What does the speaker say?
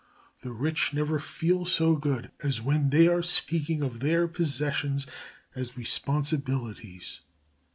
The rich never feel so good as when they are speaking of their possessions as responsibilities.